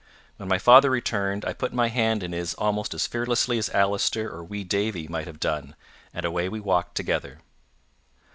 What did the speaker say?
When my father returned, I put my hand in his almost as fearlessly as Allister or wee Davie might have done, and away we walked together.